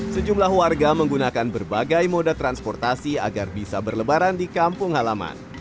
sejumlah warga menggunakan berbagai moda transportasi agar bisa berlebaran di kampung halaman